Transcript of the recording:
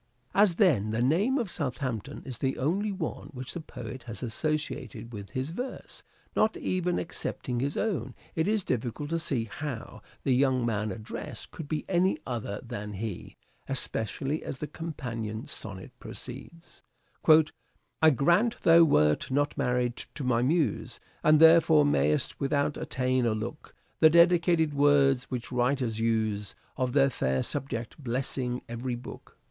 As, then, the name of Southampton is the only one which the poet has associated with his verse, not even excepting his own, it is difficult to see how the young man addressed could be any other than he ; especially as the companion sonnet proceeds, " I grant thou wert not married to my Muse, And therefore may'st, without attaint, o'erlook The dedicated words, which writers use Of their fair subject, blessing every book."